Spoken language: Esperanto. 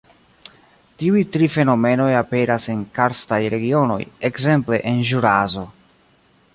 Tiuj tri fenomenoj aperas en karstaj regionoj, ekzemple en Ĵuraso.